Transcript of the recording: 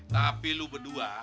tapi lu berdua